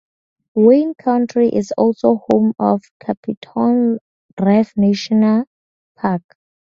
Wayne County is also home of Capitol Reef National Park.